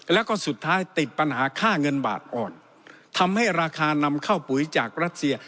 แล้วก็สุดท้ายติดปัญหาค่าเงินบาทอ่อนทำให้ราคานำเข้าปุ๋ยจากรัสเซีย